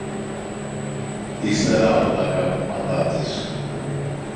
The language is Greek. ύστερα από τα καμώματα της!